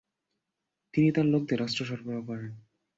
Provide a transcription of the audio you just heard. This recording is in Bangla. তিনি তার লোকদের অস্ত্র সরবরাহ করেন।